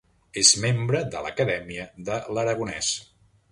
És membre de l'Acadèmia de l'Aragonès.